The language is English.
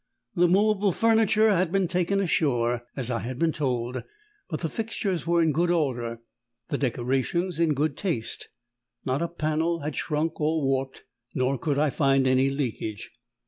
The movable furniture had been taken ashore, as I had been told; but the fixtures were in good order, the decorations in good taste. Not a panel had shrunk or warped, nor could I find any leakage.